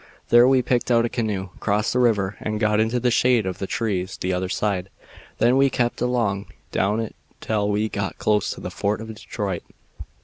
There we picked out a canoe, crossed the river, and got into the shade of the trees the other side. Then we kept along down it till we got close to the fort of Detroit.